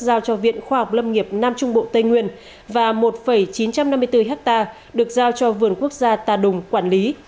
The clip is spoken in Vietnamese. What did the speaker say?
giao cho viện khoa học lâm nghiệp nam trung bộ tây nguyên và một chín trăm năm mươi bốn hectare được giao cho vườn quốc gia tà đùng quản lý